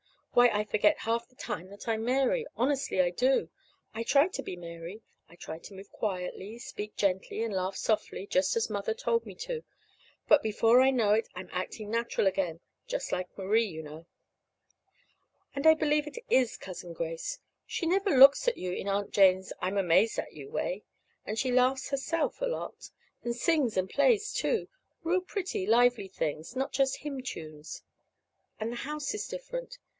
Why, I forget half the time that I'm Mary. Honestly, I do. I try to be Mary. I try to move quietly, speak gently, and laugh softly, just as Mother told me to. But before I know it I'm acting natural again just like Marie, you know. And I believe it is Cousin Grace. She never looks at you in Aunt Jane's I'm amazed at you way. And she laughs herself a lot, and sings and plays, too real pretty lively things; not just hymn tunes. And the house is different.